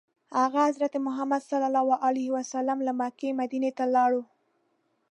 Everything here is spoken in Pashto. هغه ﷺ له مکې مدینې ته لاړ.